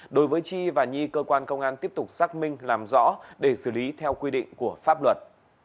đối với chi và nhi cơ quan công an tiếp tục xác minh làm rõ để xử lý theo quy định của pháp luật